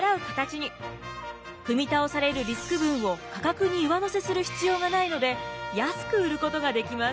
踏み倒されるリスク分を価格に上乗せする必要がないので安く売ることができます。